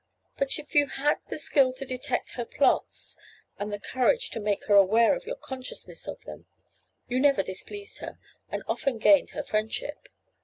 But if you had the skill to detect her plots, and the courage to make her aware of your consciousness of them, you never displeased her, and often gained her friendship.